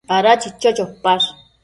Ada chicho chopash ?